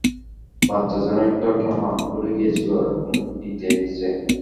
বাচ্চা যেন একটা খেলনা, ভুলে গিয়েছিলো, এখন নিতে এসেছে।